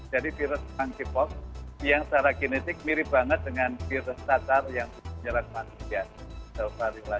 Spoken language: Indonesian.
jadi virus monkeypox yang secara kinesis mirip banget dengan virus tatar yang penyelam manusia